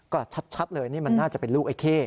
ก็ชัดเลยนี่มันน่าจะเป็นลูกไอ้เข้